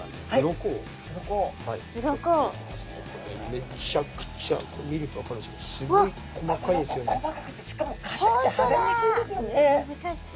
これめちゃくちゃ見ると分かるんですけど細かくてしかもかたくてはがれにくいですよね。